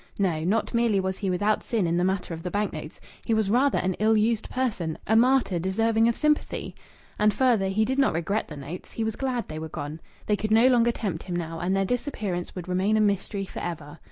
No, not merely was he without sin in the matter of the bank notes, he was rather an ill used person, a martyr deserving of sympathy. And, further, he did not regret the notes; he was glad they were gone. They could no longer tempt him now, and their disappearance would remain a mystery for ever.